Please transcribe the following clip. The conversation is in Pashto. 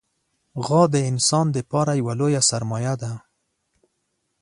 غوا د انسان لپاره یوه لویه سرمایه ده.